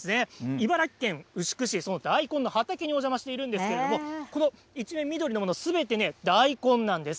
茨城県牛久市、その大根の畑にお邪魔しているんですけれども、この一面緑のもの、すべてね、大根なんです。